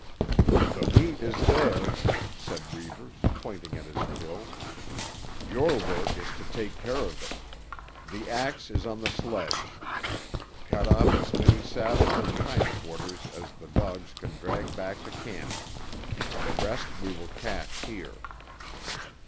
"The meat is there," said Reivers, pointing at his kill. "Your work is to take care of it. The axe is on the sledge. Cut off as many saddles and hind quarters as the dogs can drag back to camp. The rest we will cache here.